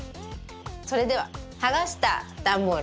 それでははがしたダンボールね。